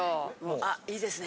あいいですね。